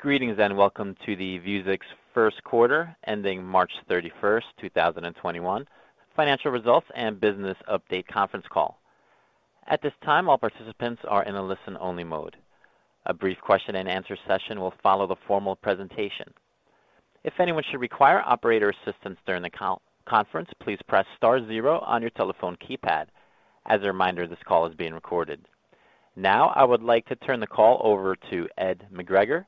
Greetings, and welcome to the Vuzix first quarter ending March 31st, 2021, financial results and business update conference call. At this time, all participants are in a listen-only mode. A brief question and answer session will follow the formal presentation. If anyone should require operator assistance during the conference, please press star zero on your telephone keypad. As a reminder, this call is being recorded. Now, I would like to turn the call over to Ed McGregor,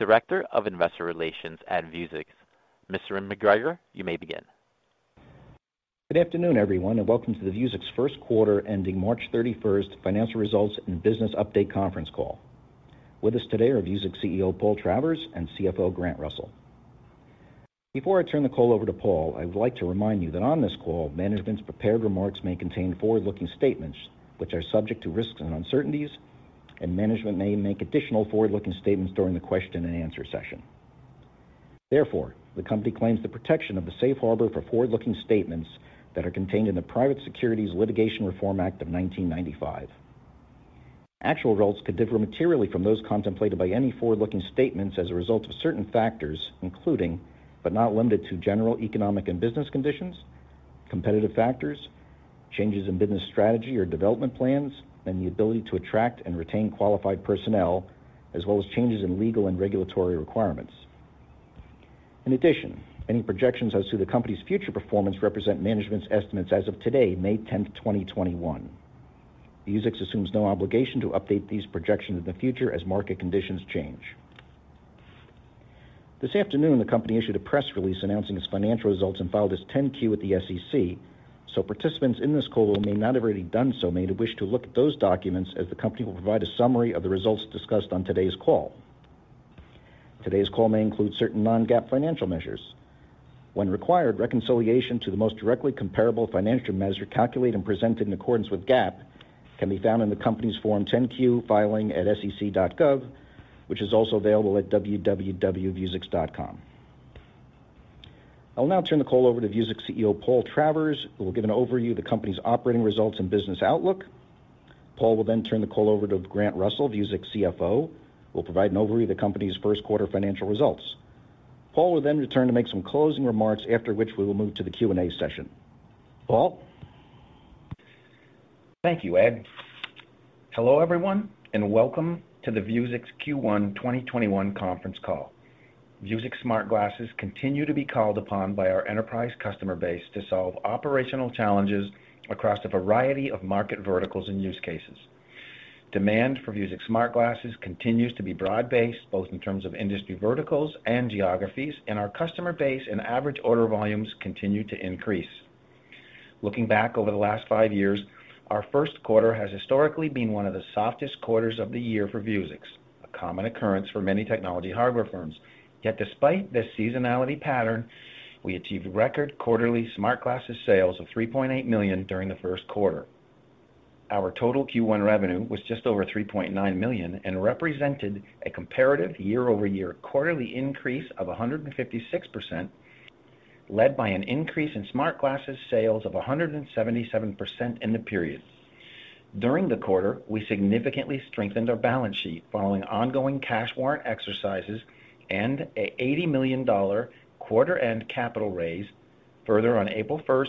Director of Investor Relations at Vuzix. Mr. McGregor, you may begin. Good afternoon, everyone, welcome to the Vuzix first quarter ending March 31st financial results and business update conference call. With us today are Vuzix CEO, Paul Travers, and CFO, Grant Russell. Before I turn the call over to Paul, I would like to remind you that on this call, management's prepared remarks may contain forward-looking statements which are subject to risks and uncertainties, and management may make additional forward-looking statements during the question-and-answer session. Therefore, the company claims the protection of the safe harbor for forward-looking statements that are contained in the Private Securities Litigation Reform Act of 1995. Actual results could differ materially from those contemplated by any forward-looking statements as a result of certain factors, including, but not limited to, general economic and business conditions, competitive factors, changes in business strategy or development plans, and the ability to attract and retain qualified personnel, as well as changes in legal and regulatory requirements. In addition, any projections as to the company's future performance represent management's estimates as of today, May 10th, 2021. Vuzix assumes no obligation to update these projections in the future as market conditions change. This afternoon, the company issued a press release announcing its financial results and filed its 10-Q at the SEC. Participants in this call who may not have already done so may wish to look at those documents, as the company will provide a summary of the results discussed on today's call. Today's call may include certain non-GAAP financial measures. When required, reconciliation to the most directly comparable financial measure calculated and presented in accordance with GAAP can be found in the company's Form 10-Q filing at sec.gov, which is also available at www.vuzix.com. I'll now turn the call over to Vuzix CEO, Paul Travers, who will give an overview of the company's operating results and business outlook. Paul will then turn the call over to Grant Russell, Vuzix CFO, who will provide an overview of the company's first quarter financial results. Paul will then return to make some closing remarks, after which we will move to the Q&A session. Paul? Thank you, Ed. Hello, everyone, and welcome to the Vuzix Q1 2021 conference call. Vuzix smart glasses continue to be called upon by our enterprise customer base to solve operational challenges across a variety of market verticals and use cases. Demand for Vuzix smart glasses continues to be broad-based, both in terms of industry verticals and geographies, and our customer base and average order volumes continue to increase. Looking back over the last five years, our first quarter has historically been one of the softest quarters of the year for Vuzix, a common occurrence for many technology hardware firms. Yet despite this seasonality pattern, we achieved record quarterly smart glasses sales of $3.8 million during the first quarter. Our total Q1 revenue was just over $3.9 million and represented a comparative year-over-year quarterly increase of 156%, led by an increase in smart glasses sales of 177% in the period. During the quarter, we significantly strengthened our balance sheet following ongoing cash warrant exercises and an $80 million quarter-end capital raise. Further, on April 1st,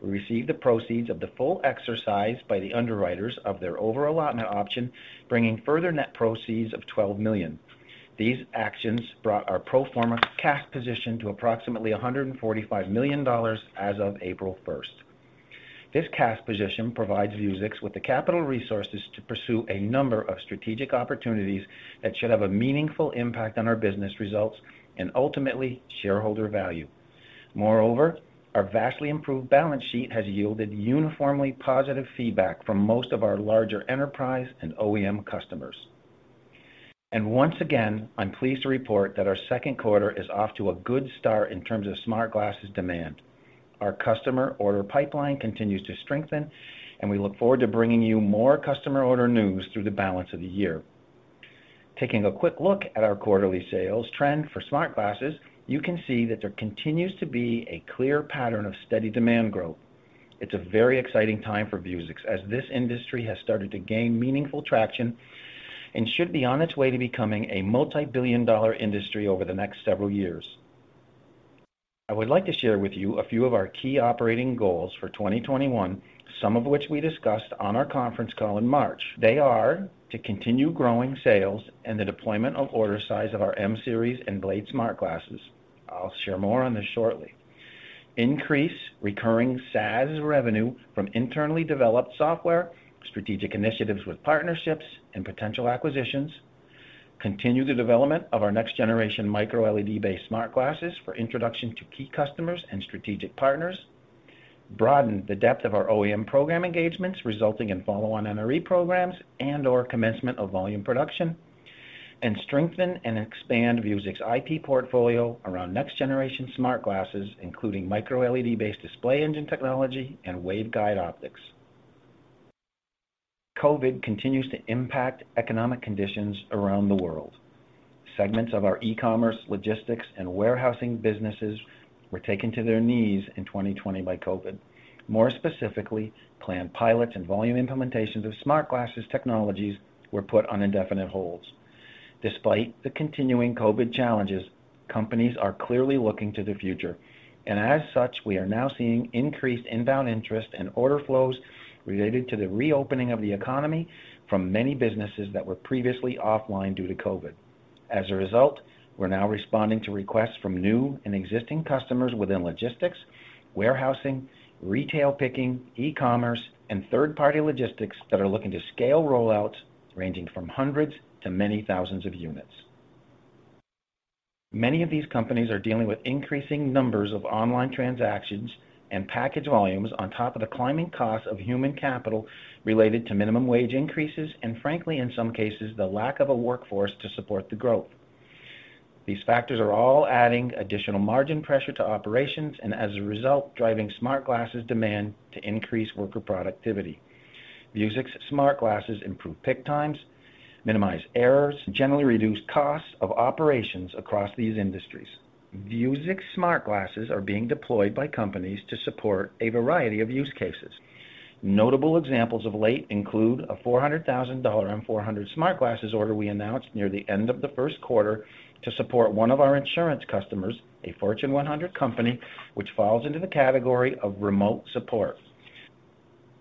we received the proceeds of the full exercise by the underwriters of their overallotment option, bringing further net proceeds of $12 million. These actions brought our pro forma cash position to approximately $145 million as of April 1st. This cash position provides Vuzix with the capital resources to pursue a number of strategic opportunities that should have a meaningful impact on our business results and ultimately shareholder value. Moreover, our vastly improved balance sheet has yielded uniformly positive feedback from most of our larger enterprise and OEM customers. Once again, I'm pleased to report that our second quarter is off to a good start in terms of smart glasses demand. Our customer order pipeline continues to strengthen. We look forward to bringing you more customer order news through the balance of the year. Taking a quick look at our quarterly sales trend for smart glasses, you can see that there continues to be a clear pattern of steady demand growth. It's a very exciting time for Vuzix, as this industry has started to gain meaningful traction and should be on its way to becoming a multi-billion-dollar industry over the next several years. I would like to share with you a few of our key operating goals for 2021, some of which we discussed on our conference call in March. They are to continue growing sales and the deployment of order size of our M-Series and Blade smart glasses. I'll share more on this shortly. Increase recurring SaaS revenue from internally developed software, strategic initiatives with partnerships, and potential acquisitions. Continue the development of our next-generation micro-LED-based smart glasses for introduction to key customers and strategic partners. Broaden the depth of our OEM program engagements, resulting in follow-on NRE programs and/or commencement of volume production. Strengthen and expand Vuzix IP portfolio around next-generation smart glasses, including micro-LED-based display engine technology and waveguide optics. COVID continues to impact economic conditions around the world. Segments of our e-commerce, logistics, and warehousing businesses were taken to their knees in 2020 by COVID. More specifically, planned pilots and volume implementations of smart glasses technologies were put on indefinite holds. Despite the continuing COVID challenges. Companies are clearly looking to the future. As such, we are now seeing increased inbound interest and order flows related to the reopening of the economy from many businesses that were previously offline due to COVID. As a result, we're now responding to requests from new and existing customers within logistics, warehousing, retail picking, e-commerce, and third-party logistics that are looking to scale rollouts ranging from hundreds to many thousands of units. Many of these companies are dealing with increasing numbers of online transactions and package volumes on top of the climbing cost of human capital related to minimum wage increases. Frankly, in some cases, the lack of a workforce to support the growth. These factors are all adding additional margin pressure to operations. As a result, driving smart glasses demand to increase worker productivity. Vuzix smart glasses improve pick times, minimize errors, and generally reduce costs of operations across these industries. Vuzix smart glasses are being deployed by companies to support a variety of use cases. Notable examples of late include a $400,000 M400 smartglasses order we announced near the end of the first quarter to support one of our insurance customers, a Fortune 100 company, which falls into the category of remote support.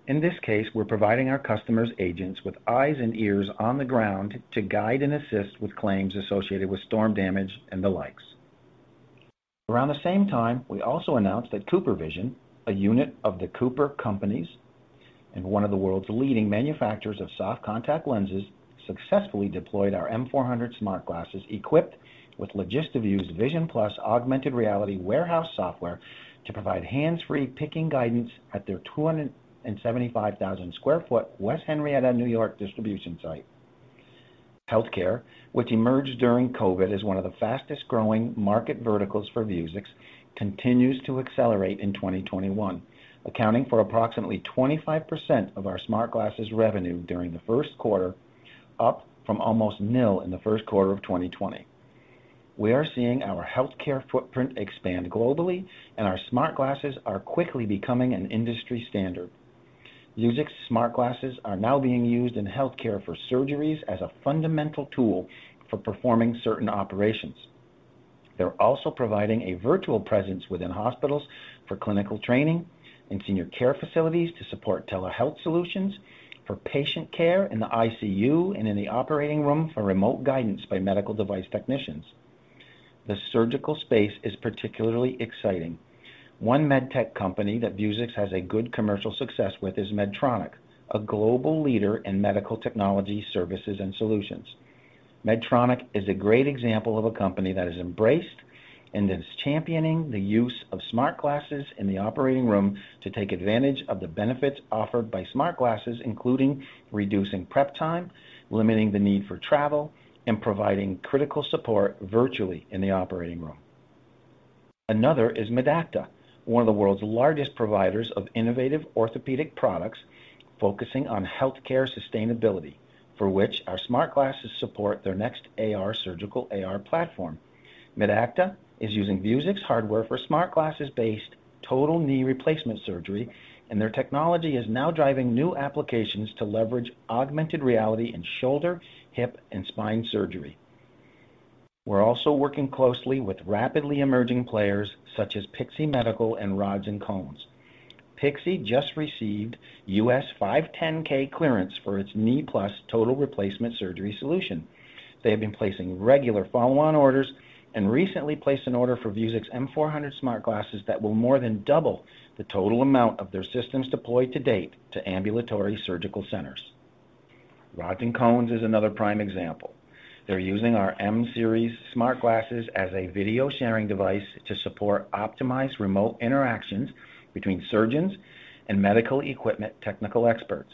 In this case, we're providing our customers' agents with eyes and ears on the ground to guide and assist with claims associated with storm damage and the likes. Around the same time, we also announced that CooperVision, a unit of The CooperCompanies and one of the world's leading manufacturers of soft contact lenses, successfully deployed our M400 smart glasses equipped with LogistiVIEW's Vision+ augmented reality warehouse software to provide hands-free picking guidance at their 275,000 square foot West Henrietta, New York distribution site. Healthcare, which emerged during COVID as one of the fastest-growing market verticals for Vuzix, continues to accelerate in 2021, accounting for approximately 25% of our smart glasses revenue during the first quarter, up from almost nil in the first quarter of 2020. We are seeing our healthcare footprint expand globally, and our smart glasses are quickly becoming an industry standard. Vuzix smart glasses are now being used in healthcare for surgeries as a fundamental tool for performing certain operations. They're also providing a virtual presence within hospitals for clinical training, in senior care facilities to support telehealth solutions, for patient care in the ICU, and in the operating room for remote guidance by medical device technicians. The surgical space is particularly exciting. One med tech company that Vuzix has a good commercial success with is Medtronic, a global leader in medical technology, services, and solutions. Medtronic is a great example of a company that has embraced and is championing the use of smart glasses in the operating room to take advantage of the benefits offered by smart glasses, including reducing prep time, limiting the need for travel, and providing critical support virtually in the operating room. Another is Medacta, one of the world's largest providers of innovative orthopedic products focusing on healthcare sustainability, for which our smart glasses support their NextAR surgical AR platform. Medacta is using Vuzix hardware for smart glasses-based total knee replacement surgery, and their technology is now driving new applications to leverage augmented reality in shoulder, hip, and spine surgery. We're also working closely with rapidly emerging players such as Pixee Medical and Rods & Cones. Pixee just received U.S. 510(k) clearance for its Knee+ total replacement surgery solution. They have been placing regular follow-on orders and recently placed an order for Vuzix M400 smart glasses that will more than double the total amount of their systems deployed to date to ambulatory surgical centers. Rods & Cones is another prime example. They're using our M-Series smart glasses as a video-sharing device to support optimized remote interactions between surgeons and medical equipment technical experts.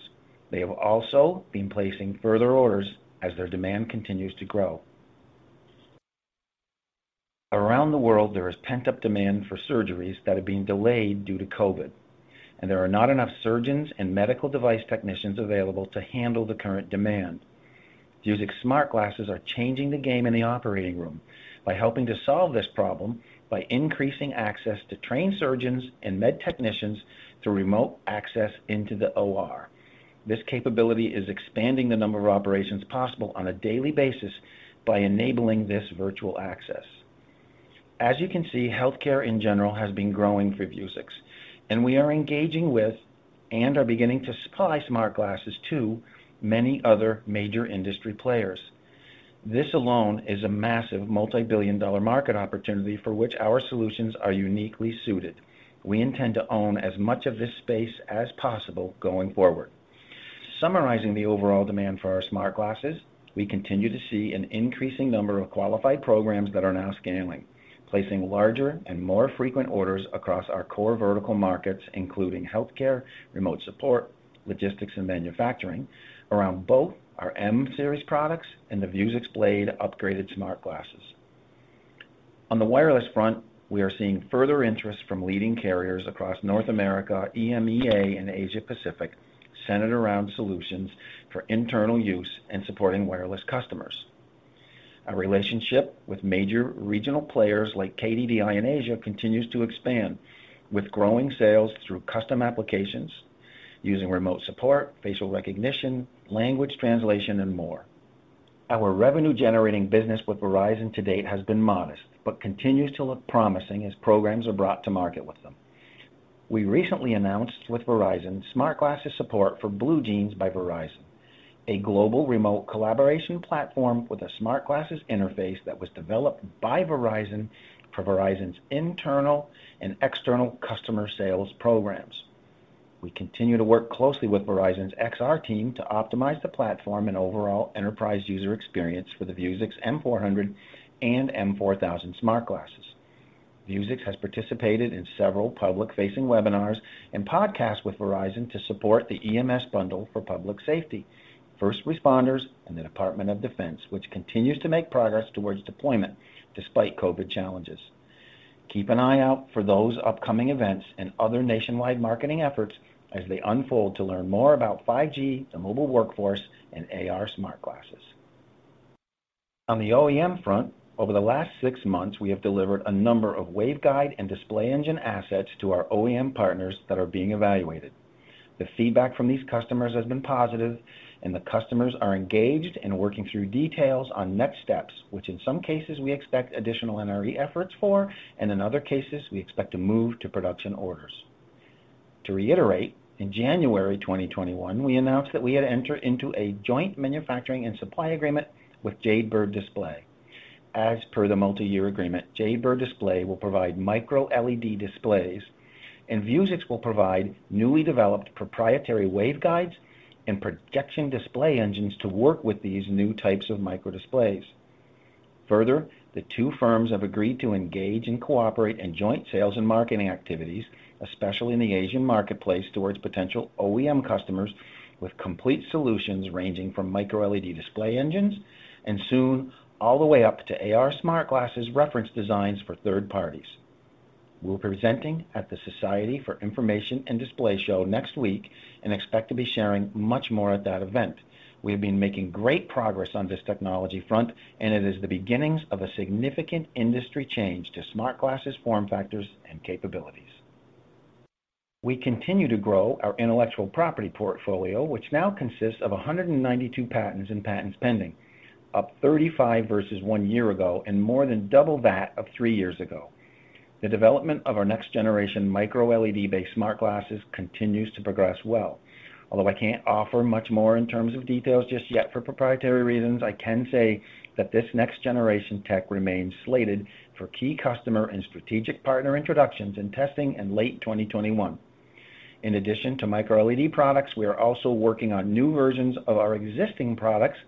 They have also been placing further orders as their demand continues to grow. Around the world, there is pent-up demand for surgeries that have been delayed due to COVID, and there are not enough surgeons and medical device technicians available to handle the current demand. Vuzix smart glasses are changing the game in the operating room by helping to solve this problem by increasing access to trained surgeons and med technicians through remote access into the OR. This capability is expanding the number of operations possible on a daily basis by enabling this virtual access. As you can see, healthcare, in general, has been growing for Vuzix, and we are engaging with and are beginning to supply smart glasses to many other major industry players. This alone is a massive multi-billion dollar market opportunity for which our solutions are uniquely suited. We intend to own as much of this space as possible going forward. Summarizing the overall demand for our smart glasses, we continue to see an increasing number of qualified programs that are now scaling, placing larger and more frequent orders across our core vertical markets, including healthcare, remote support, logistics, and manufacturing around both our M-Series products and the Vuzix Blade upgraded smart glasses. On the wireless front, we are seeing further interest from leading carriers across North America, EMEA, and Asia-Pacific centered around solutions for internal use and supporting wireless customers. Our relationship with major regional players like KDDI in Asia continues to expand with growing sales through custom applications using remote support, facial recognition, language translation, and more. Our revenue-generating business with Verizon to date has been modest, but continues to look promising as programs are brought to market with them. We recently announced with Verizon smart glasses support for BlueJeans by Verizon, a global remote collaboration platform with a smart glasses interface that was developed by Verizon for Verizon's internal and external customer sales programs. We continue to work closely with Verizon's XR team to optimize the platform and overall enterprise user experience for the Vuzix M400 and M4000 smart glasses. Vuzix has participated in several public-facing webinars and podcasts with Verizon to support the EMS bundle for public safety, first responders, and the Department of Defense, which continues to make progress towards deployment despite COVID challenges. Keep an eye out for those upcoming events and other nationwide marketing efforts as they unfold to learn more about 5G, the mobile workforce, and AR smart glasses. On the OEM front, over the last six months, we have delivered a number of waveguide and display engine assets to our OEM partners that are being evaluated. The feedback from these customers has been positive, and the customers are engaged and working through details on next steps, which in some cases, we expect additional NRE efforts for, and in other cases, we expect to move to production orders. To reiterate, in January 2021, we announced that we had entered into a joint manufacturing and supply agreement with Jade Bird Display. As per the multi-year agreement, Jade Bird Display will provide micro-LED displays, and Vuzix will provide newly developed proprietary waveguides and projection display engines to work with these new types of microdisplays. Further, the two firms have agreed to engage and cooperate in joint sales and marketing activities, especially in the Asian marketplace, towards potential OEM customers with complete solutions ranging from micro-LED display engines, and soon, all the way up to AR smart glasses reference designs for third parties. We're presenting at the Society for Information Display show next week and expect to be sharing much more at that event. We have been making great progress on this technology front, and it is the beginnings of a significant industry change to smart glasses form factors and capabilities. We continue to grow our intellectual property portfolio, which now consists of 192 patents and patents pending, up 35 versus one year ago and more than double that of three years ago. The development of our next-generation micro-LED-based smart glasses continues to progress well. Although I can't offer much more in terms of details just yet for proprietary reasons, I can say that this next-generation tech remains slated for key customer and strategic partner introductions and testing in late 2021. In addition to micro-LED products, we are also working on new versions of our existing products,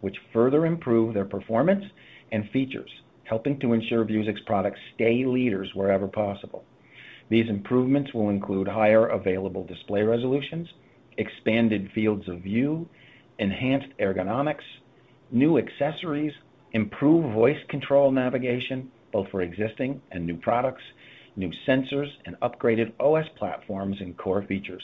which further improve their performance and features, helping to ensure Vuzix products stay leaders wherever possible. These improvements will include higher available display resolutions, expanded fields of view, enhanced ergonomics, new accessories, improved voice control navigation, both for existing and new products, new sensors, and upgraded OS platforms and core features.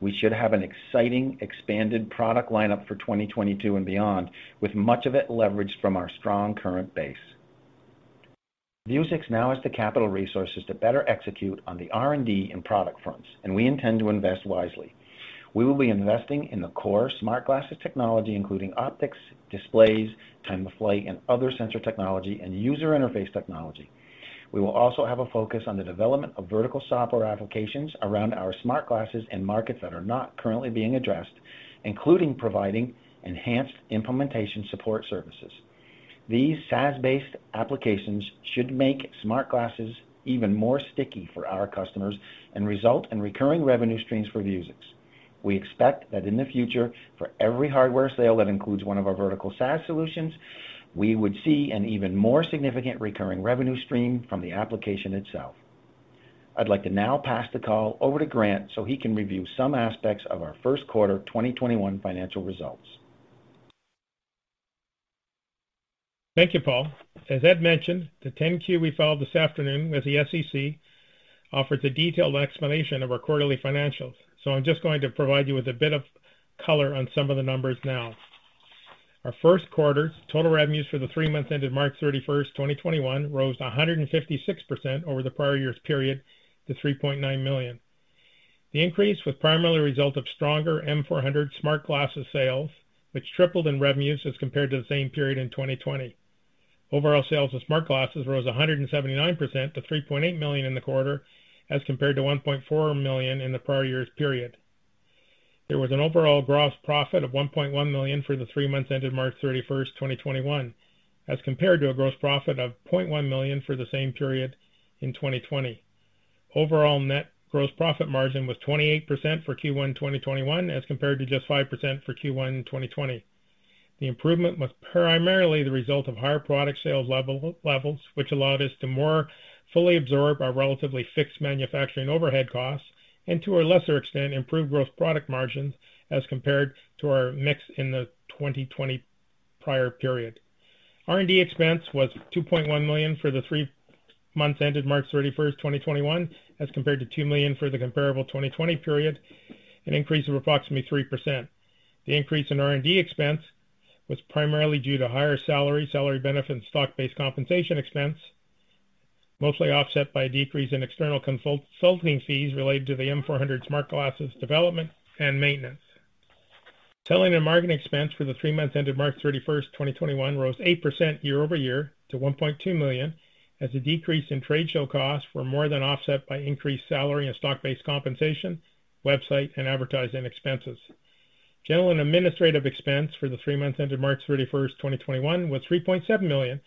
We should have an exciting, expanded product lineup for 2022 and beyond, with much of it leveraged from our strong current base. Vuzix now has the capital resources to better execute on the R&D and product fronts, and we intend to invest wisely. We will be investing in the core smart glasses technology, including optics, displays, time of flight, and other sensor technology and user interface technology. We will also have a focus on the development of vertical software applications around our smart glasses in markets that are not currently being addressed, including providing enhanced implementation support services. These SaaS-based applications should make smart glasses even more sticky for our customers and result in recurring revenue streams for Vuzix. We expect that in the future, for every hardware sale that includes one of our vertical SaaS solutions, we would see an even more significant recurring revenue stream from the application itself. I'd like to now pass the call over to Grant so he can review some aspects of our first quarter 2021 financial results. Thank you, Paul. As Ed mentioned, the 10-Q we filed this afternoon with the SEC offers a detailed explanation of our quarterly financials. I'm just going to provide you with a bit of color on some of the numbers now. Our first quarter total revenues for the three months ended March 31st, 2021, rose 156% over the prior year's period to $3.9 million. The increase was primarily a result of stronger M400 smart glasses sales, which tripled in revenues as compared to the same period in 2020. Overall sales of smart glasses rose 179% to $3.8 million in the quarter as compared to $1.4 million in the prior year's period. There was an overall gross profit of $1.1 million for the three months ended March 31st, 2021, as compared to a gross profit of $0.1 million for the same period in 2020. Overall net gross profit margin was 28% for Q1 2021 as compared to just 5% for Q1 2020. The improvement was primarily the result of higher product sales levels, which allowed us to more fully absorb our relatively fixed manufacturing overhead costs and, to a lesser extent, improved gross product margins as compared to our mix in the 2020 prior period. R&D expense was $2.1 million for the three months ended March 31st, 2021, as compared to $2 million for the comparable 2020 period, an increase of approximately 3%. The increase in R&D expense was primarily due to higher salary benefits, stock-based compensation expense, mostly offset by a decrease in external consulting fees related to the M400 smart glasses development and maintenance. Selling and marketing expense for the three months ended March 31st, 2021, rose 8% year-over-year to $1.2 million, as the decrease in trade show costs were more than offset by increased salary and stock-based compensation, website, and advertising expenses. General and administrative expense for the three months ended March 31st, 2021, was $3.7 million,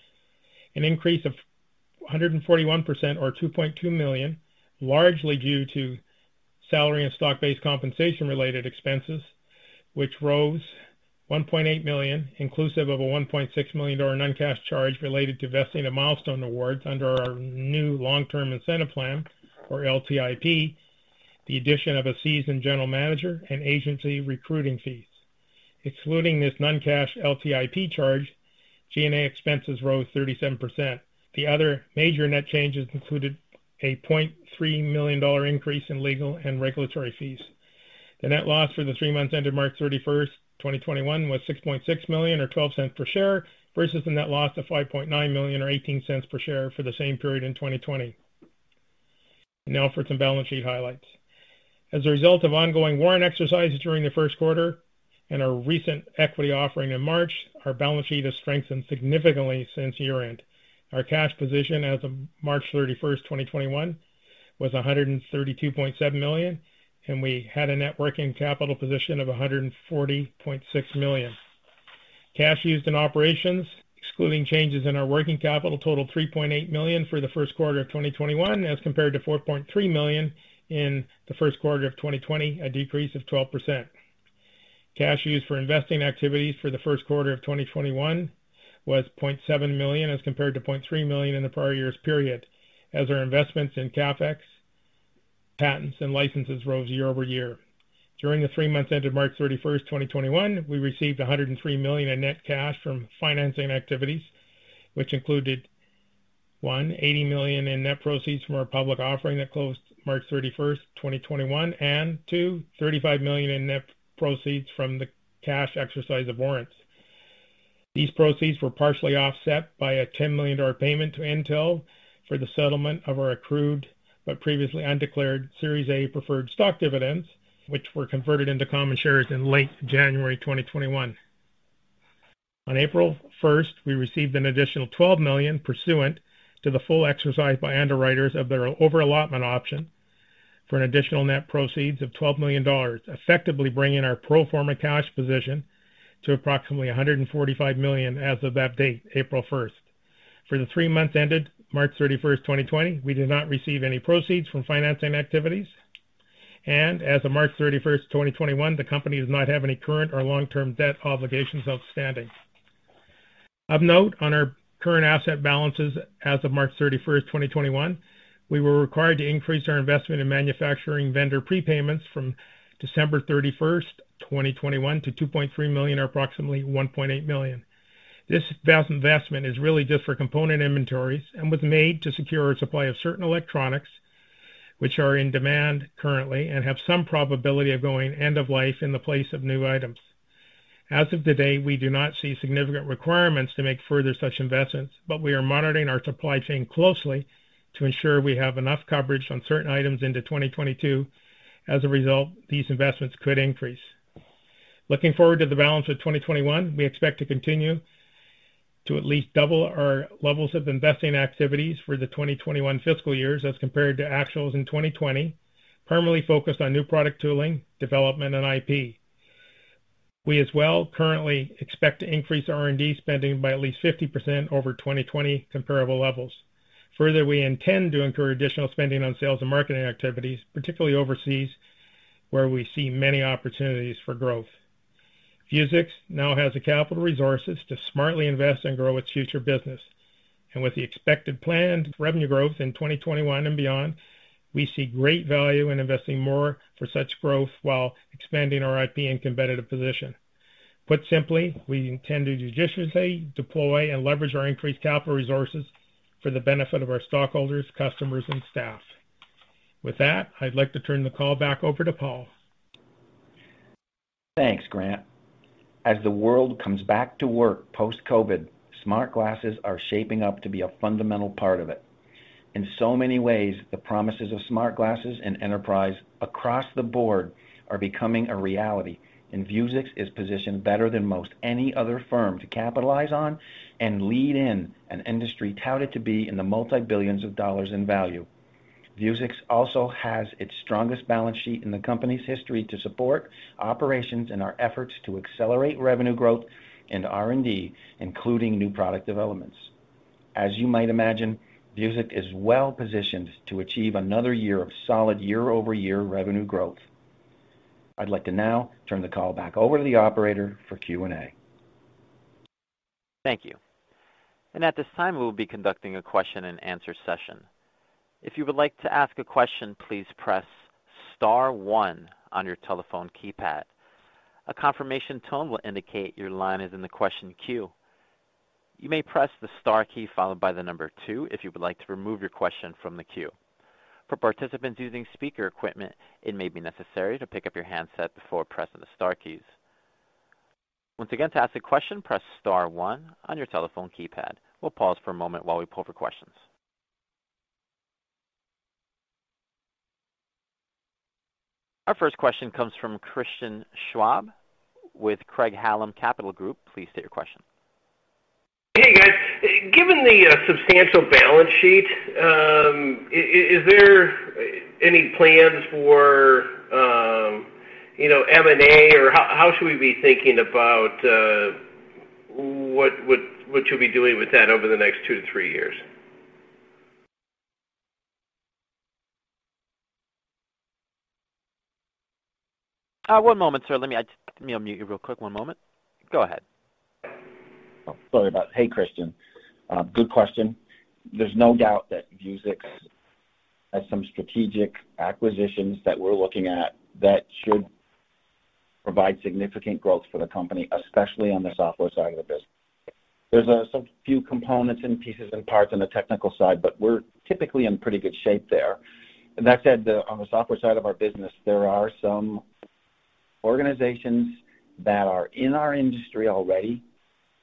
an increase of 141%, or $2.2 million, largely due to salary and stock-based compensation related expenses, which rose $1.8 million inclusive of a $1.6 million non-cash charge related to vesting of milestone awards under our new long-term incentive plan, or LTIP, the addition of a seasoned general manager, and agency recruiting fees. Excluding this non-cash LTIP charge, G&A expenses rose 37%. The other major net changes included a $3.2 million increase in legal and regulatory fees. The net loss for the three months ended March 31st, 2021, was $6.6 million, or $0.12 per share, versus the net loss of $5.9 million, or $0.18 per share, for the same period in 2020. Now for some balance sheet highlights. As a result of ongoing warrant exercises during the first quarter and our recent equity offering in March, our balance sheet has strengthened significantly since year-end. Our cash position as of March 31st, 2021, was $132.7 million, and we had a net working capital position of $140.6 million. Cash used in operations, excluding changes in our working capital, totaled $3.8 million for the first quarter of 2021 as compared to $4.3 million in the first quarter of 2020, a decrease of 12%. Cash used for investing activities for the first quarter of 2021 was $0.7 million, as compared to $0.3 million in the prior year's period, as our investments in CapEx, patents, and licenses rose year-over-year. During the three months ended March 31st, 2021, we received $103 million in net cash from financing activities, which included one, $80 million in net proceeds from our public offering that closed March 31st, 2021, and two, $35 million in net proceeds from the cash exercise of warrants. These proceeds were partially offset by a $10 million payment to Intel for the settlement of our accrued, but previously undeclared, Series A preferred stock dividends, which were converted into common shares in late January 2021. On April 1st, we received an additional $12 million pursuant to the full exercise by underwriters of their overallotment option for an additional net proceeds of $12 million, effectively bringing our pro forma cash position to approximately $145 million as of that date, April 1st. For the three months ended March 31st, 2020, we did not receive any proceeds from financing activities. As of March 31st, 2021, the company does not have any current or long-term debt obligations outstanding. Of note, on our current asset balances as of March 31st, 2021, we were required to increase our investment in manufacturing vendor prepayments from December 31st, 2021, to $2.3 million or approximately $1.8 million. This vast investment is really just for component inventories and was made to secure a supply of certain electronics which are in demand currently and have some probability of going end of life in the place of new items. As of today, we do not see significant requirements to make further such investments, but we are monitoring our supply chain closely to ensure we have enough coverage on certain items into 2022. As a result, these investments could increase. Looking forward to the balance of 2021, we expect to continue to at least double our levels of investing activities for the 2021 fiscal years as compared to actuals in 2020, primarily focused on new product tooling, development, and IP. We as well currently expect to increase R&D spending by at least 50% over 2020 comparable levels. Further, we intend to incur additional spending on sales and marketing activities, particularly overseas, where we see many opportunities for growth. Vuzix now has the capital resources to smartly invest and grow its future business. With the expected planned revenue growth in 2021 and beyond, we see great value in investing more for such growth while expanding our IP and competitive position. Put simply, we intend to judiciously deploy and leverage our increased capital resources for the benefit of our stockholders, customers, and staff. With that, I'd like to turn the call back over to Paul. Thanks, Grant. As the world comes back to work post-COVID, smart glasses are shaping up to be a fundamental part of it. In so many ways, the promises of smart glasses in enterprise across the board are becoming a reality, and Vuzix is positioned better than most any other firm to capitalize on and lead in an industry touted to be in the multi-billions of dollars in value. Vuzix also has its strongest balance sheet in the company's history to support operations in our efforts to accelerate revenue growth and R&D, including new product developments. As you might imagine, Vuzix is well-positioned to achieve another year of solid year-over-year revenue growth. I'd like to now turn the call back over to the operator for Q&A. Thank you. And at this time, we will be conducting a question-and-answer session. If you would like to ask a question, please press star one on your telephone keypad. A confirmation tone will indicate your line is in the question queue. You may press the star key followed by the number two if you would like to remove your question from the queue. For participants using speaker equipment, it may be necessary to pick up your handset before pressing the star keys. Once again, to ask a question, press star one on your telephone keypad. We'll pause for a moment while we pull for questions Our first question comes from Christian Schwab with Craig-Hallum Capital Group. Please state your question. Hey, guys. Given the substantial balance sheet, is there any plans for M&A, or how should we be thinking about what you'll be doing with that over the next two to three years? One moment, sir. Let me unmute you real quick. One moment. Go ahead. Oh, sorry about that. Hey, Christian. Good question. There's no doubt that Vuzix has some strategic acquisitions that we're looking at that should provide significant growth for the company, especially on the software side of the business. There's a few components and pieces and parts on the technical side, but we're typically in pretty good shape there. That said, on the software side of our business, there are some organizations that are in our industry already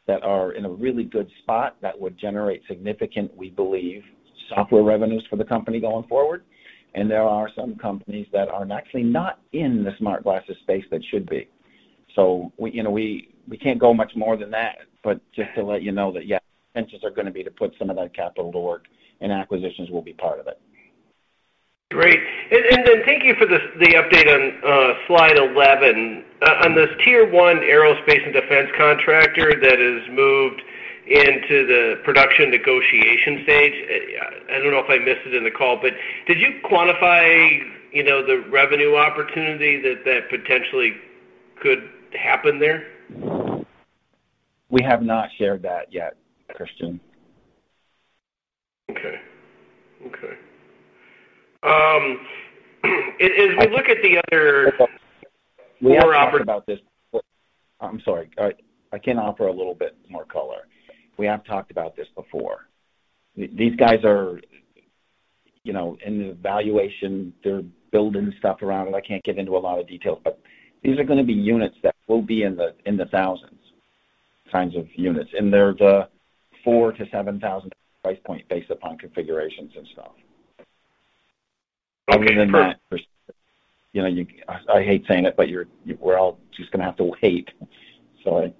that are in a really good spot that would generate significant, we believe, software revenues for the company going forward, and there are some companies that are actually not in the smart glasses space that should be. We can't go much more than that, but just to let you know that, yeah, chances are going to be to put some of that capital to work, and acquisitions will be part of it. Great. Thank you for the update on slide 11. On this Tier-1 aerospace and defense contractor that has moved into the production negotiation stage, I don't know if I missed it in the call, but did you quantify the revenue opportunity that potentially could happen there? We have not shared that yet, Christian. Okay. As we look at the other- We have talked about this. I'm sorry. I can offer a little bit more color. We have talked about this before. These guys are in the valuation. They're building stuff around it. I can't get into a lot of details, but these are going to be units that will be in the thousands kinds of units. They're the 4000-7,000 price point based upon configurations and stuff. Okay, fair. Other than that, Christian, I hate saying it, but we're all just going to have to wait. Sorry.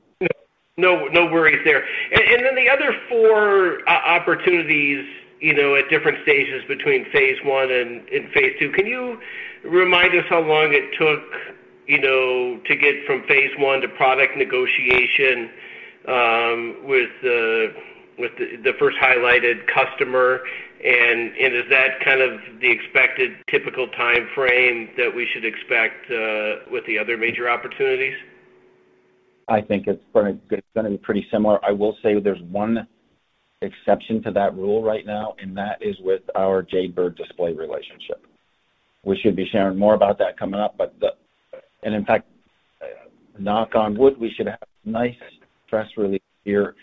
No worries there. The other four opportunities at different stages between phase one and phase two, can you remind us how long it took to get from phase one to product negotiation with the first highlighted customer, and is that kind of the expected typical timeframe that we should expect with the other major opportunities? I think it's going to be pretty similar. I will say there's one exception to that rule right now, and that is with our Jade Bird Display relationship. We should be sharing more about that coming up. In fact, knock on wood, we should have a nice press release here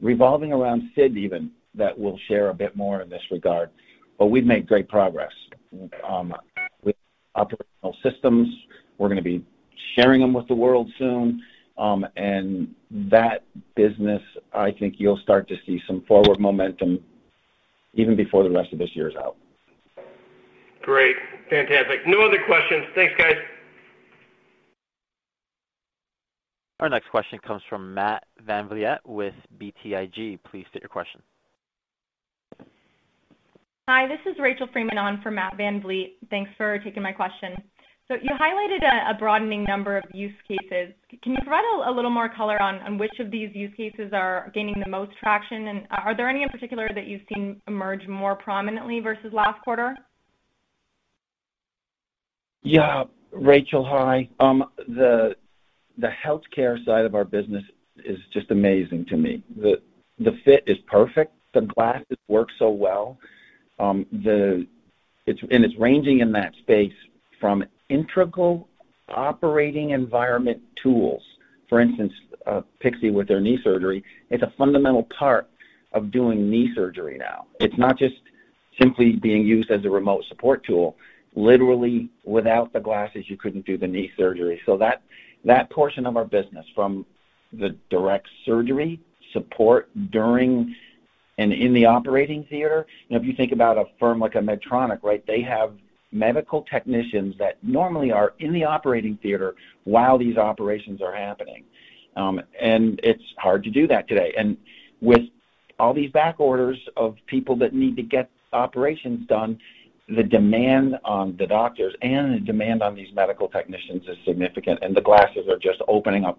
revolving around SID, even that we'll share a bit more in this regard. We've made great progress with operational systems. We're going to be sharing them with the world soon. That business, I think, you'll start to see some forward momentum even before the rest of this year is out. Great. Fantastic. No other questions. Thanks, guys. Our next question comes from Matt VanVliet with BTIG. Please state your question. Hi, this is [Rachel Freeman] on for Matt VanVliet. Thanks for taking my question. You highlighted a broadening number of use cases. Can you provide a little more color on which of these use cases are gaining the most traction, and are there any in particular that you've seen emerge more prominently versus last quarter? Yeah. Rachel, hi. The healthcare side of our business is just amazing to me. The fit is perfect. The glasses work so well. It's ranging in that space from integral operating environment tools. For instance, Pixee with their knee surgery, it's a fundamental part of doing knee surgery now. It's not just simply being used as a remote support tool. Literally, without the glasses, you couldn't do the knee surgery. That portion of our business from the direct surgery support during and in the operating theater. If you think about a firm like Medtronic, they have medical technicians that normally are in the operating theater while these operations are happening. It's hard to do that today. With all these back orders of people that need to get operations done, the demand on the doctors and the demand on these medical technicians is significant, and the glasses are just opening up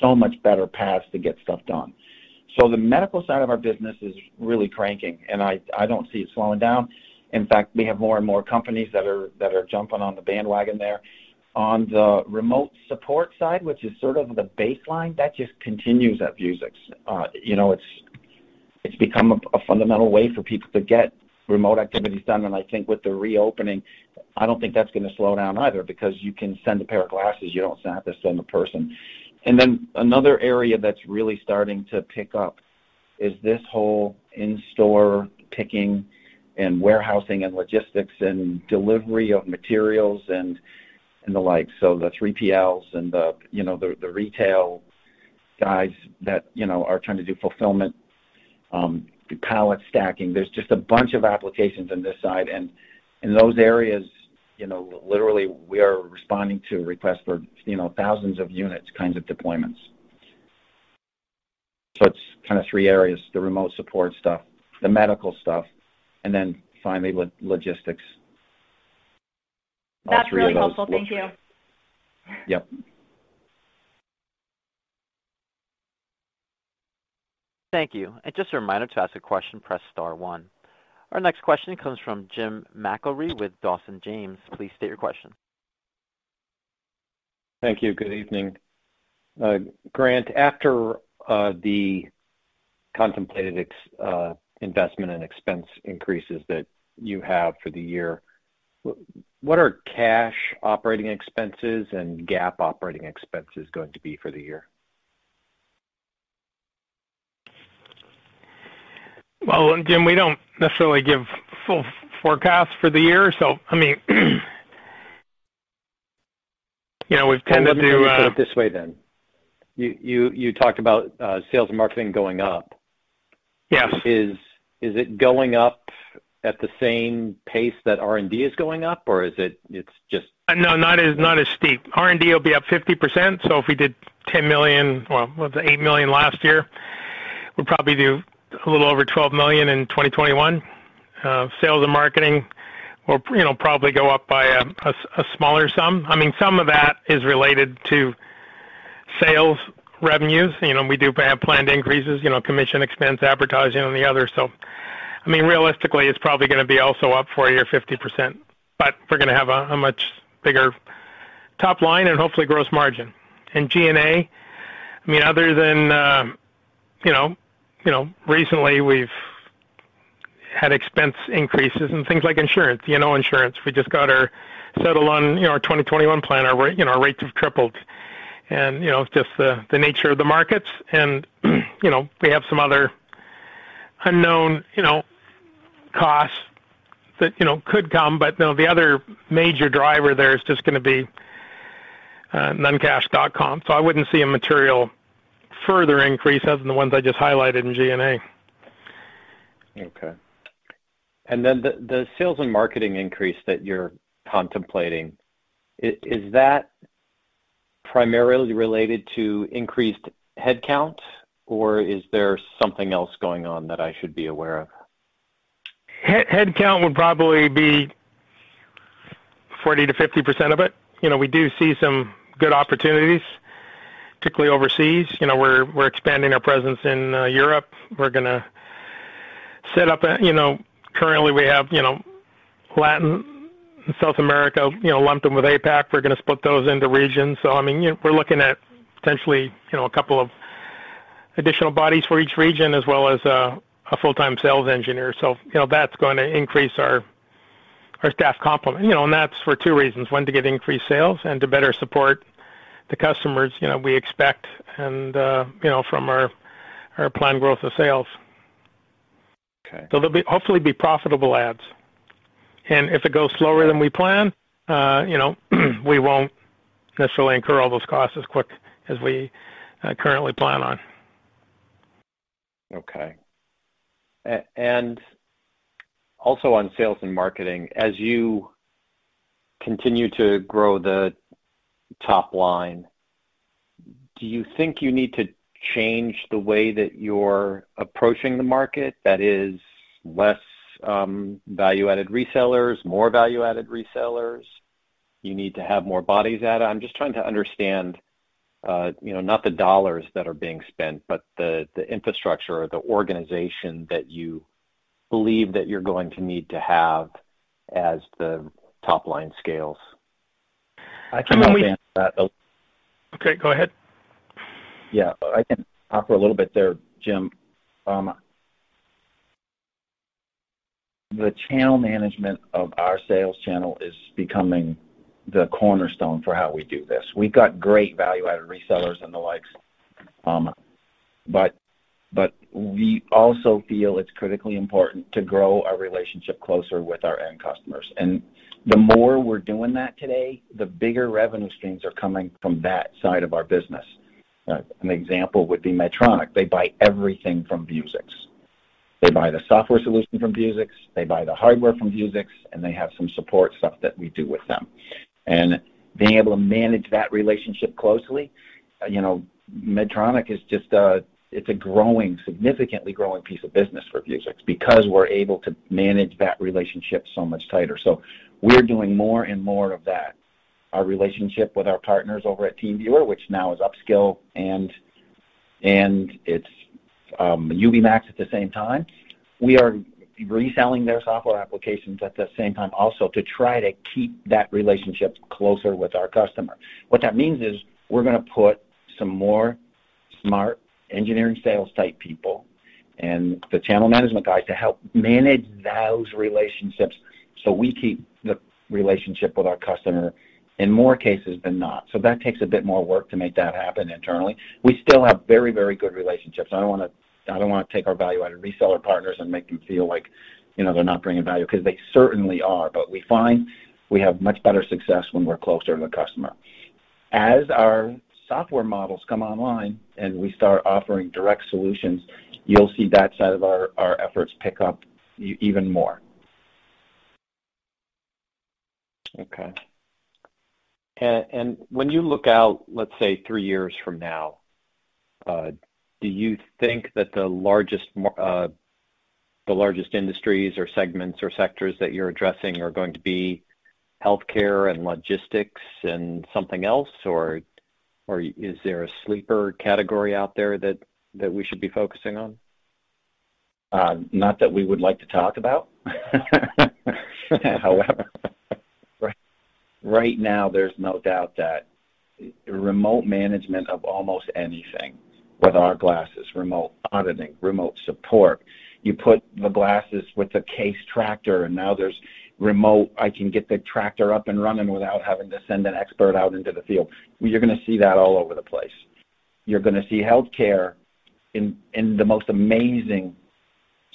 so much better paths to get stuff done. The medical side of our business is really cranking, and I don't see it slowing down. In fact, we have more and more companies that are jumping on the bandwagon there. On the remote support side, which is sort of the baseline, that just continues at Vuzix. It's become a fundamental way for people to get remote activities done, and I think with the reopening, I don't think that's going to slow down either, because you can send a pair of glasses, you don't have to send a person. Another area that's really starting to pick up is this whole in-store picking and warehousing and logistics, and delivery of materials and the like. The 3PLs and the retail guys that are trying to do fulfillment. The pallet stacking, there's just a bunch of applications on this side. In those areas, literally, we are responding to requests for thousands of units, kinds of deployments. It's kind of three areas, the remote support stuff, the medical stuff, and then finally, logistics. That's really helpful. Thank you. Yep. Thank you. Just a reminder, to ask a question, press star one. Our next question comes from Jim McIlree with Dawson James. Please state your question. Thank you. Good evening. Grant, after the contemplated investment and expense increases that you have for the year, what are cash operating expenses and GAAP operating expenses going to be for the year? Well, Jim, we don't necessarily give full forecasts for the year. I mean, we've tended to- Well, let me put it this way then. You talked about sales and marketing going up. Yes. Is it going up at the same pace that R&D is going up, or is it just- No, not as steep. R&D will be up 50%, so if we did $10 million, well, it was $8 million last year, we'll probably do a little over $12 million in 2021. Sales and marketing will probably go up by a smaller sum. Some of that is related to sales revenues. We do have planned increases, commission expense, advertising, and the other. Realistically, it's probably going to be also up 40 or 50%, but we're going to have a much bigger top line and hopefully gross margin. G&A, other than recently, we've had expense increases in things like insurance. You know insurance. We just got our settled on our 2021 plan. Our rates have tripled. It's just the nature of the markets, and we have some other unknown costs that could come. No, the other major driver there is just going to be non-cash comp. I wouldn't see a material further increase other than the ones I just highlighted in G&A. Okay. The sales and marketing increase that you're contemplating, is that primarily related to increased headcount, or is there something else going on that I should be aware of? Headcount would probably be 40%-50% of it. We do see some good opportunities, particularly overseas. We're expanding our presence in Europe. Currently, we have Latin and South America lumped in with APAC. We're going to split those into regions. We're looking at potentially a couple of additional bodies for each region, as well as a full-time sales engineer. That's going to increase our staff complement. That's for two reasons, one, to get increased sales, and to better support the customers we expect from our planned growth of sales. Okay. They'll hopefully be profitable adds. If it goes slower than we plan, we won't necessarily incur all those costs as quick as we currently plan on. Okay. Also, on sales and marketing, as you continue to grow the top line, do you think you need to change the way that you're approaching the market? That is, less value-added resellers, more value-added resellers? You need to have more bodies at it? I'm just trying to understand, not the dollars that are being spent, but the infrastructure or the organization that you believe that you're going to need to have as the top line scales. I can- I mean, we- Hop in on that a- Okay, go ahead. Yeah, I can offer a little bit there, Jim. The channel management of our sales channel is becoming the cornerstone for how we do this. We've got great value-added resellers and the likes. We also feel it's critically important to grow our relationship closer with our end customers. The more we're doing that today, the bigger revenue streams are coming from that side of our business. An example would be Medtronic. They buy everything from Vuzix. They buy the software solution from Vuzix, they buy the hardware from Vuzix, and they have some support stuff that we do with them. Being able to manage that relationship closely, Medtronic, it's a significantly growing piece of business for Vuzix because we're able to manage that relationship so much tighter. We're doing more and more of that. Our relationship with our partners over at TeamViewer, which now is Upskill, and it's Ubimax at the same time. We are reselling their software applications at the same time, also to try to keep that relationship closer with our customer. What that means is, we're going to put some more smart engineering sales type people and the channel management guys to help manage those relationships so we keep the relationship with our customer in more cases than not. That takes a bit more work to make that happen internally. We still have very, very good relationships. I don't want to take our value-added reseller partners and make them feel like they're not bringing value, because they certainly are. We find we have much better success when we're closer to the customer. As our software models come online and we start offering direct solutions, you'll see that side of our efforts pick up even more. Okay. When you look out, let's say, three years from now, do you think that the largest industries or segments or sectors that you're addressing are going to be healthcare and logistics and something else? Is there a sleeper category out there that we should be focusing on? Not that we would like to talk about, however. Right now, there's no doubt that remote management of almost anything with our glasses, remote auditing, remote support. You put the glasses with the Case tractor, and now there's remote, I can get the tractor up and running without having to send an expert out into the field. You're going to see that all over the place. You're going to see healthcare in the most amazing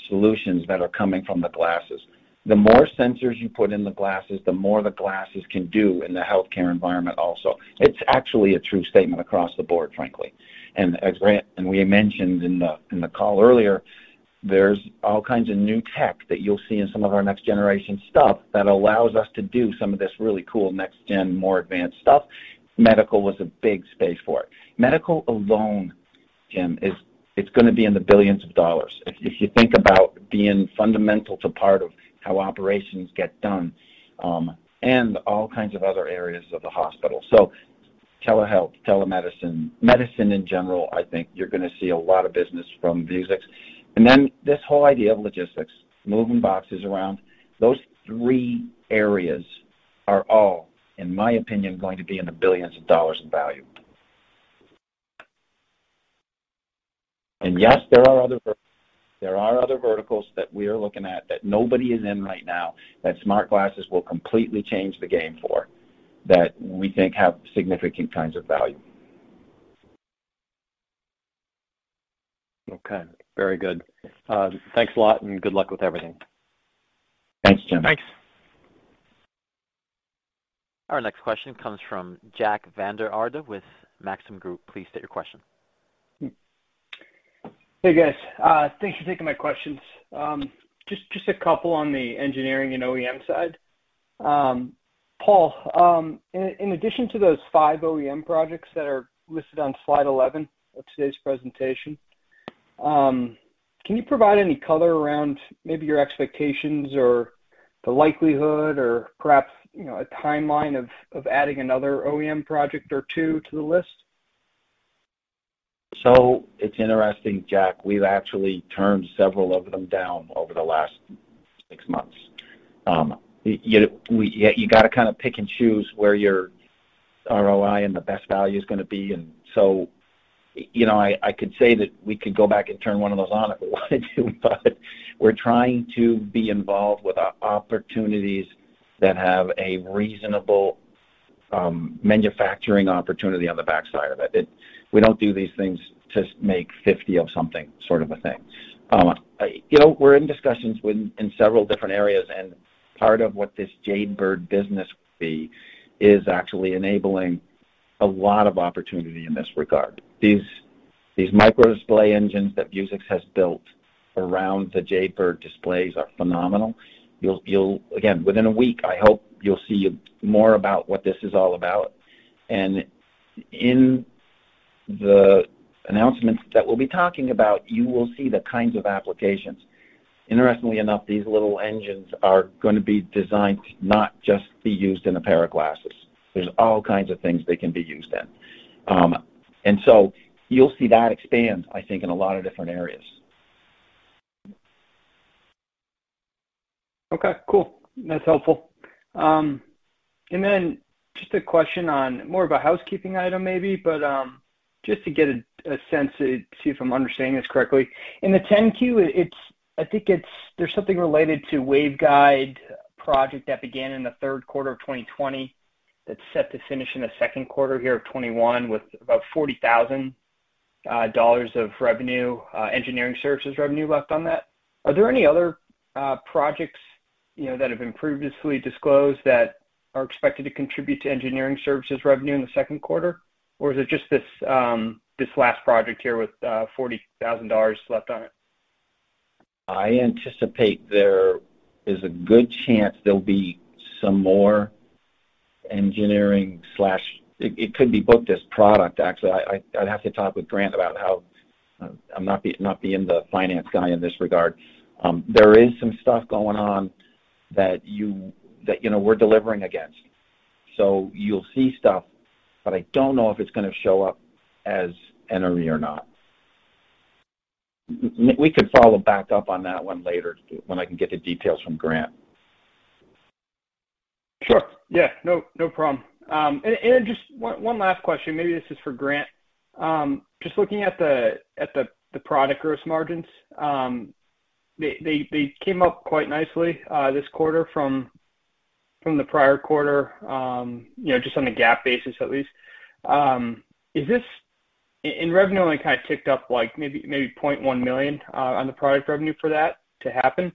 solutions that are coming from the glasses. The more sensors you put in the glasses, the more the glasses can do in the healthcare environment, also. It's actually a true statement across the board, frankly. We mentioned in the call earlier, there's all kinds of new tech that you'll see in some of our next generation stuff that allows us to do some of this really cool next-gen, more advanced stuff. Medical was a big space for it. Medical alone, Jim, it's going to be in the billions of dollars. If you think about being fundamental to part of how operations get done, and all kinds of other areas of the hospital. Telehealth, telemedicine, medicine in general, I think you're going to see a lot of business from Vuzix. this whole idea of logistics, moving boxes around, those three areas are all, in my opinion, going to be in the billions of dollars in value. Yes, there are other verticals that we are looking at that nobody is in right now that smart glasses will completely change the game for, that we think have significant kinds of value. Okay. Very good. Thanks a lot, and good luck with everything. Thanks, Jim. Thanks. Our next question comes from Jack Vander Aarde with Maxim Group. Please state your question. Hey, guys. Thanks for taking my questions. Just a couple on the engineering and OEM side. Paul, in addition to those five OEM projects that are listed on slide 11 of today's presentation, can you provide any color around maybe your expectations or the likelihood or perhaps a timeline of adding another OEM project or two to the list? It's interesting, Jack. We've actually turned several of them down over the last six months. You got to pick and choose where your ROI and the best value is going to be. I could say that we could go back and turn one of those on if we wanted to, but we're trying to be involved with opportunities that have a reasonable manufacturing opportunity on the backside of it. We don't do these things to make 50 of something sort of a thing. We're in discussions in several different areas, and part of what this Jade Bird business will be is actually enabling a lot of opportunity in this regard. These micro display engines that Vuzix has built around the Jade Bird displays are phenomenal. Again, within a week, I hope you'll see more about what this is all about. In the announcements that we'll be talking about, you will see the kinds of applications. Interestingly enough, these little engines are going to be designed to not just be used in a pair of glasses. There's all kinds of things they can be used in. You'll see that expand, I think, in a lot of different areas. Okay, cool. That's helpful. Just a question on more of a housekeeping item, maybe, but just to get a sense to see if I'm understanding this correctly. In the 10-Q, I think there's something related to waveguide project that began in the third quarter of 2020 that's set to finish in the second quarter here of 2021, with about $40,000 of revenue, engineering services revenue left on that. Are there any other projects that have been previously disclosed that are expected to contribute to engineering services revenue in the second quarter, or is it just this last project here with $40,000 left on it? I anticipate there is a good chance there'll be some more engineering slash It could be booked as product, actually. I'd have to talk with Grant about how I'm not being the finance guy in this regard. There is some stuff going on that we're delivering against. You'll see stuff, but I don't know if it's going to show up as NRE or not. We could follow back up on that one later, when I can get the details from Grant. Sure. Yeah, no problem. Just one last question, maybe this is for Grant. Just looking at the product gross margins. They came up quite nicely this quarter from the prior quarter, just on a GAAP basis at least. Revenue only kind of ticked up, maybe $0.1 million on the product revenue for that to happen.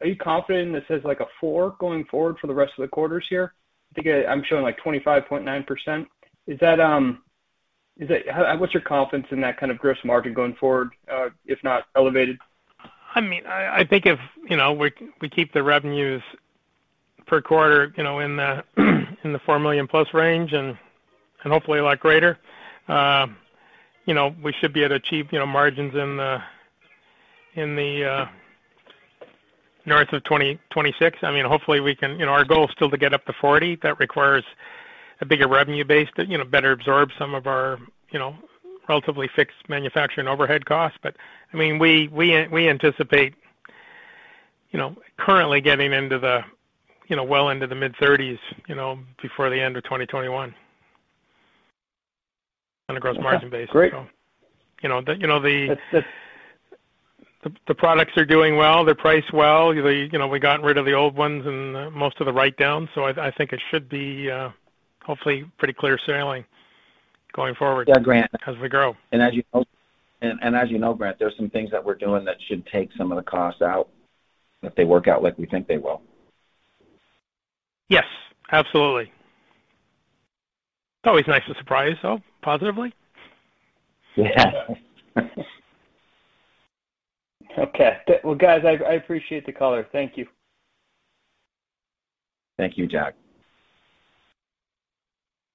Are you confident in that stays like a 24 going forward for the rest of the quarters here? I think I'm showing 25.9%. What's your confidence in that kind of gross margin going forward, if not elevated? I think if we keep the revenues per quarter in the +$4 million range and hopefully a lot greater, we should be able to achieve margins in the north of 20-26. Our goal is still to get up to 40. That requires a bigger revenue base to better absorb some of our relatively fixed manufacturing overhead costs. We anticipate currently getting well into the mid-30s before the end of 2021 on a gross margin basis. Great. The products are doing well. They're priced well. We've gotten rid of the old ones and most of the write-downs, so I think it should be hopefully pretty clear sailing going forward. Yeah, Grant As we grow. As you know, Grant, there's some things that we're doing that should take some of the costs out if they work out like we think they will. Yes, absolutely. It's always nice to surprise, though, positively. Yeah. Okay. Well, guys, I appreciate the call. Thank you. Thank you, Jack.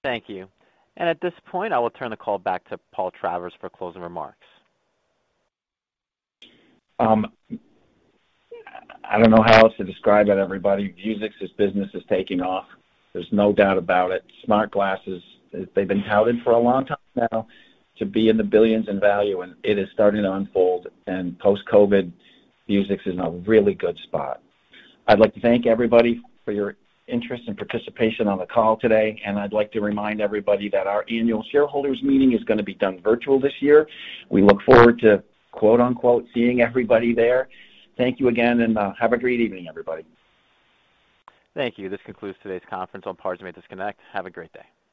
Thank you. At this point, I will turn the call back to Paul Travers for closing remarks. I don't know how else to describe it, everybody. Vuzix's business is taking off. There's no doubt about it. Smart glasses, they've been touted for a long time now to be in the billions in value, and it is starting to unfold. Post-COVID, Vuzix is in a really good spot. I'd like to thank everybody for your interest and participation on the call today. I'd like to remind everybody that our annual shareholders meeting is going to be done virtual this year. We look forward to quote-unquote "seeing everybody there." Thank you again, and have a great evening, everybody. Thank you. This concludes today's conference. All parties may disconnect. Have a great day.